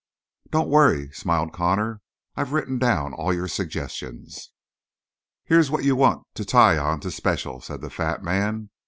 "Don't worry," smiled Connor. "I've written down all your suggestions." "Here's what you want to tie on to special," said the fat man.